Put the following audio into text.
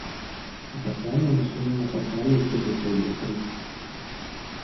А пасля мы машыну напаткалі і сюды прыехалі.